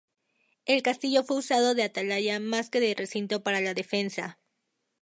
El castillo fue usado de atalaya más que de recinto para la defensa.